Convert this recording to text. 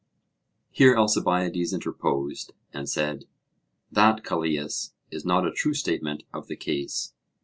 Here Alcibiades interposed, and said: That, Callias, is not a true statement of the case.